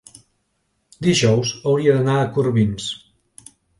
dijous hauria d'anar a Corbins.